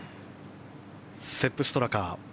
セップ・ストラカ。